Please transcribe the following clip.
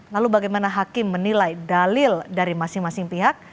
lalu bagaimana hakim menilai dalil dari masing masing pihak